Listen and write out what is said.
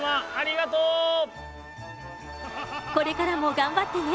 これからも頑張ってね。